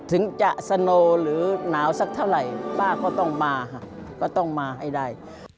ถึงจะสโน่หรือหนาวสักเท่าไหร่ป้าก็ต้องมาให้ได้